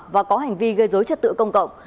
và có hành vi gây dối trật tự công cộng